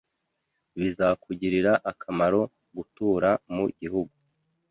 Bizakugirira akamaro gutura mu gihugu